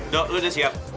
dok lo udah siap